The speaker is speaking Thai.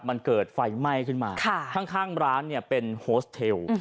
มันเกิดไฟไหม้ขึ้นมาข้างร้านเนี่ยเป็นโฮสเทล